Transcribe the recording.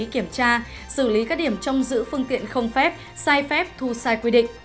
kiểm tra xử lý các điểm trong giữ phương tiện không phép sai phép thu sai quy định